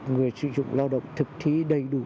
người sử dụng lao động thực thi đầy đủ